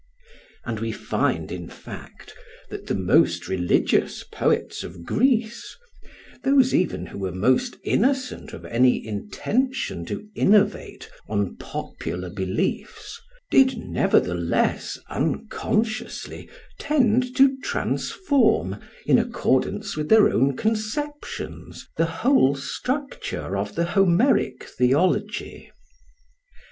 And we find, in fact, that the most religious poets of Greece, those even who were most innocent of any intention to innovate on popular beliefs, did nevertheless unconsciously tend to transform, in accordance with their own conceptions, the whole structure of the Homeric theology.